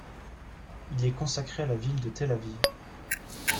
Il est consacré à la ville de Tel-Aviv.